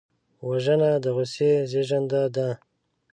وژنه د غصې زېږنده ده